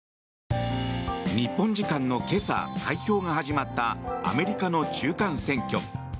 日本時間の今朝開票が始まったアメリカの中間選挙。